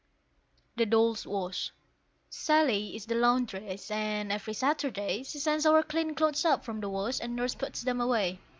THE DOLLS' WASH. Sally is the laundress, and every Saturday She sends our clean clothes up from the wash, and Nurse puts them away.